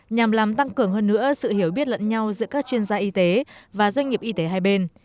nhằm làm tăng cường hơn nữa sự hiểu biết lẫn nhau giữa các chuyên gia y tế và doanh nghiệp y tế hai bên